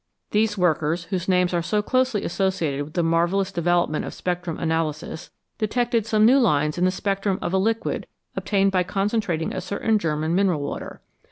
These workers, whose names are so closely associated with the marvellous development of spectrum analysis, detected some new lines in the spectrum of a liquid ob tained by concentrating a certain German mineral water.